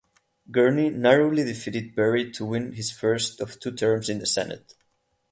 Gurney narrowly defeated Berry to win his first of two terms in the Senate.